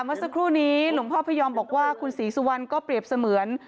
เมื่อสักครู่นี้หลวงพ่อพยอมบอกว่าคุณศรีสุวรรณก็เปรียบเสมือน